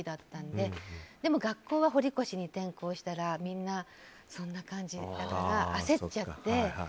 でも学校は堀越に転校したらみんなそんな感じだから焦っちゃって。